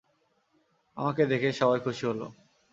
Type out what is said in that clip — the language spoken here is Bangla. আমাকে দেখে সবাই খুব খুশি হলো।